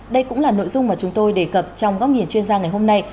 đây cũng là nội dung mà chúng tôi đề cập trong góc nhìn chuyên gia ngày hôm nay